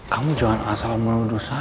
kamu jangan asal menuduh saya